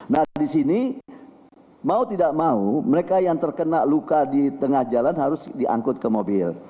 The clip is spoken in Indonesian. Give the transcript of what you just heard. nah di sini mau tidak mau mereka yang terkena luka di tengah jalan harus diangkut ke mobil